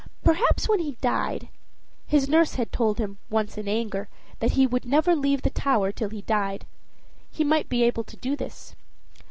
Perhaps when he died his nurse had told him once in anger that he would never leave the tower till he died he might be able to do this.